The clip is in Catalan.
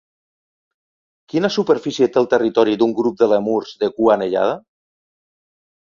Quina superfície té el territori d'un grup de lèmurs de cua anellada?